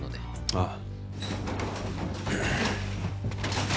ああ。